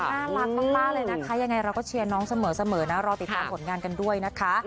น่ารักมากเลยนะคะยังไงเราก็เชียร์น้องเสมอนะรอติดตามผลงานกันด้วยนะคะ